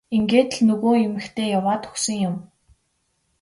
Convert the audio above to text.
Ингээд л нөгөө эмэгтэй яваад өгсөн юм.